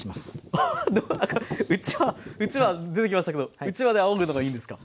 あははなんかうちわうちわ出てきましたけどうちわであおぐのがいいんですか？